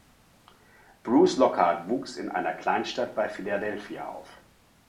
Bruce Lockhart wuchs in einer Kleinstadt bei Philadelphia auf.